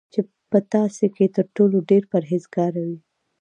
چی په تاسی کی تر ټولو ډیر پرهیزګاره وی